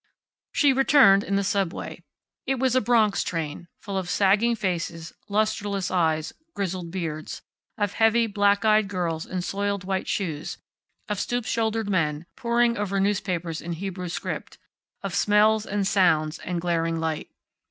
She returned in the subway. It was a Bronx train, full of sagging faces, lusterless eyes, grizzled beards; of heavy, black eyed girls in soiled white shoes; of stoop shouldered men, poring over newspapers in Hebrew script; of smells and sounds and glaring light.